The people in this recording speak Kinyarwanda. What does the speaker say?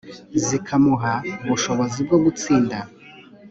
zikamuha ubushobozi bwo gutsinda